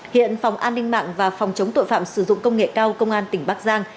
hiện phòng an ninh mạng và phòng chống tội phạm sử dụng công nghệ cao công an tỉnh bắc giang